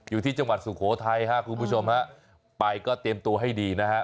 อยู่ที่จังหวัดสุโขทัยฮะคุณผู้ชมฮะไปก็เตรียมตัวให้ดีนะฮะ